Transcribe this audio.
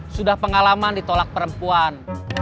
sudah pengalaman di tolak perempuan